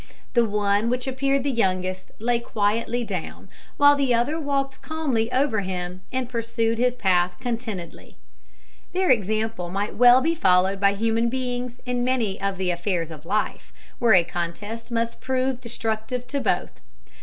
The one which appeared the youngest lay quietly down, while the other walked calmly over him, and pursued his path contentedly. Their example might well be followed by human beings in many of the affairs of life, where a contest must prove destructive to both.